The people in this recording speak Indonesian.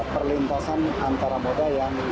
perlintasan antara moda yang